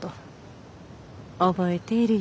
覚えているよ。